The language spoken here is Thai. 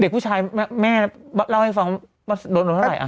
เด็กผู้ชายแม่เล่าให้ฟังโดนรสเท่าไหร่